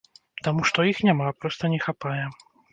Таму што іх няма, проста не хапае!